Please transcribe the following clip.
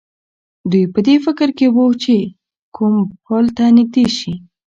دی په دې فکر کې و چې کوم پل ته نږدې شي.